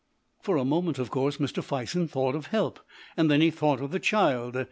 For a moment, of course, Mr. Fison thought of help, and then he thought of the child.